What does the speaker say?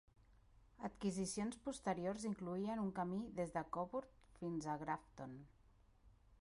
Adquisicions posteriors incloïen un camí des de Cobourg fins a Grafton.